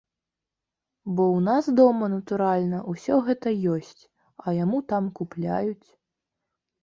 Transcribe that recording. Бо ў нас дома, натуральна, усё гэта ёсць, а яму там купляюць.